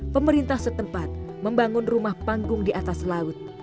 pemerintah setempat membangun rumah panggung di atas laut